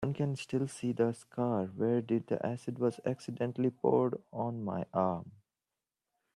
One can still see the scar where the acid was accidentally poured on my arm.